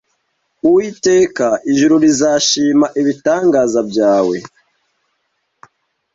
Uwiteka, ijuru rizashima ibitangaza byawe